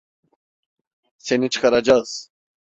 Seni çıkaracağız.